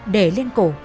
để lên cổ